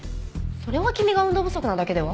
それは君が運動不足なだけでは？